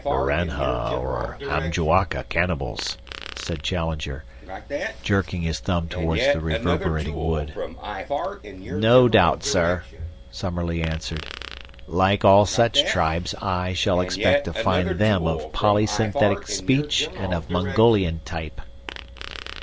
"Miranha or Amajuaca cannibals," said Challenger, jerking his thumb towards the reverberating wood. "No doubt, sir," Summerlee answered. "Like all such tribes, I shall expect to find them of poly synthetic speech and of Mongolian type."